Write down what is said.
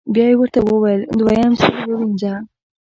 بیا یې ورته وویل: دویم ځل یې ووینځه.